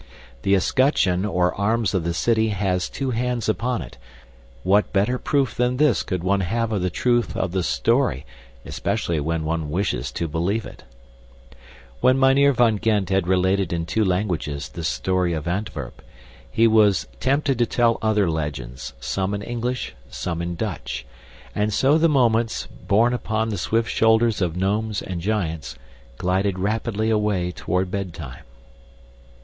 The escutcheon or arms of the city has two hands upon it; what better proof than this could one have of the truth of the story, especially when one wishes to believe it! When Mynheer van Gend had related in two languages this story of Antwerp, he was tempted to tell other legends some in English, some in Dutch; and so the moments, borne upon the swift shoulders of gnomes and giants, glided rapidly away toward bedtime.